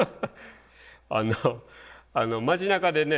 あの町なかでね